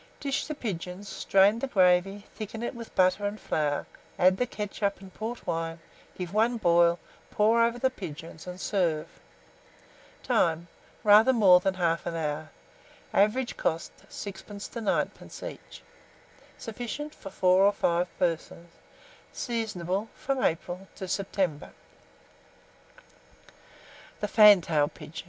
Dish the pigeons, strain the gravy, thicken it with butter and flour, add the ketchup and port wine, give one boil, pour over the pigeons, and serve. Time. Rather more than 1/2 hour. Average cost, 6d. to 9d. each. Sufficient for 4 or 5 persons. Seasonable from April to September. [Illustration: FANTAIL PIGEONS.